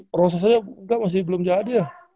prosesnya masih belum jadi ya